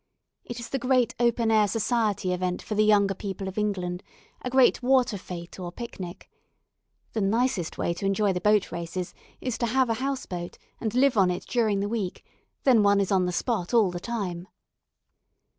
It is the great open air society event for the younger people of England, a great water fête or picnic. The nicest way to enjoy the boat races is to have a house boat and live on it during the week, then one is on the spot all the time.